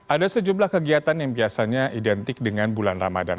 ada sejumlah kegiatan yang biasanya identik dengan bulan ramadan